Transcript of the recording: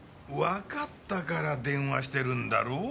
わかったから電話してるんだろ？